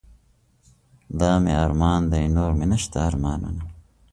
دا مې ارمان دے نور مې نشته ارمانونه